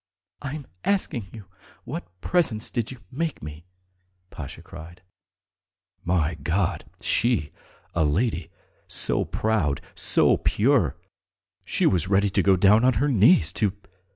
..." "I am asking you, what presents did you make me?" Pasha cried. "My God! She, a lady, so proud, so pure. ... She was ready to go down on her knees to